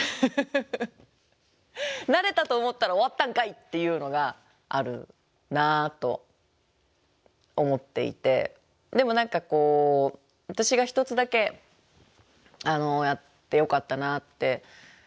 「慣れたと思ったら終わったんかい」っていうのがあるなと思っていてでも何か私が一つだけやってよかったなって思ったのはあの。